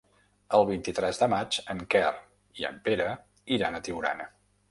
El vint-i-tres de maig en Quer i en Pere iran a Tiurana.